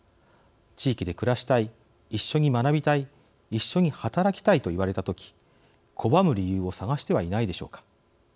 地域で暮らしたい一緒に学びたい一緒に働きたいと言われた時拒む理由を探してはいないでしょうか。